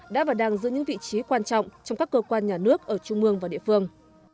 đã và đang giữ những vị trí quan trọng trong các cơ quan nhà nước ở trung mương và địa phương